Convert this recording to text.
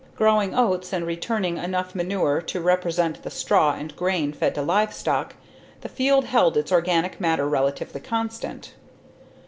Growing oats and returning enough manure to represent the straw and grain fed to livestock, the field held its organic matter relatively constant.